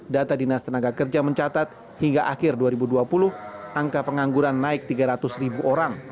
data dinas tenaga kerja mencatat hingga akhir dua ribu dua puluh angka pengangguran naik tiga ratus ribu orang